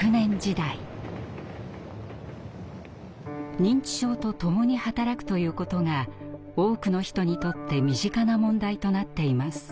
認知症とともに働くということが多くの人にとって身近な問題となっています。